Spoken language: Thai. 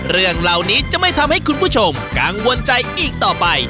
เรื่องเหล่านี้จะไม่ทำให้คุณผู้ชมกังวลใจอีกต่อไป